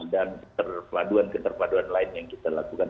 dan keterpaduan keterpaduan lain yang kita lakukan